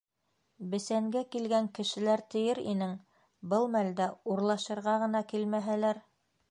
Бесәнгә килгән кешеләр тиер инең - был мәлдә урлашырға ғына килмәһәләр?